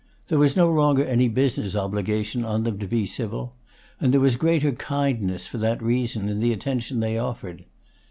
There was no longer any business obligation on them to be civil, and there was greater kindness for that reason in the attention they offered.